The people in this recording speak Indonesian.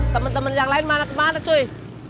temen temen yang lain mana mana cuy